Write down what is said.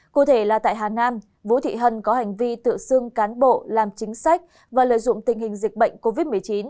cụ thể là tại hà nam vũ thị hân có hành vi tự xương cán bộ làm chính sách và lợi dụng tình hình dịch bệnh covid một mươi chín